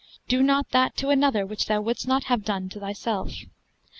Do not that to another which thou wouldst not have done to thyself.